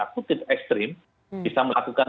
kutip ekstrim bisa melakukan